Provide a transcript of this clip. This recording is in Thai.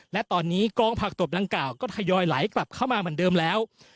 และตอนนี้กองผักตบดังกล่าวก็ทยอยไหลกลับเข้ามาเหมือนเดิมแล้ว